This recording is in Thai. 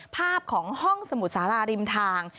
ภาพของห้องสมุทรสาราริมทาง